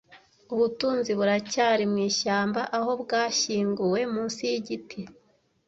Ubutunzi buracyari mwishyamba, aho bwashyinguwe munsi yigiti.